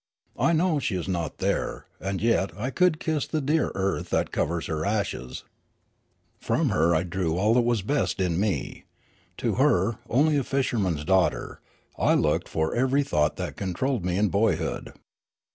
I know she is not there, and yet I could kiss the dear earth that covers her ashes. From her I drew all that was best in me ; to her, only a fisherman's daughter, I looked for every thought 8 Resurrections 9 that controlled me in boyhood.